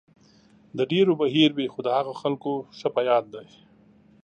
د ډېرو به هېر وي، خو د هغو خلکو ښه په یاد دی.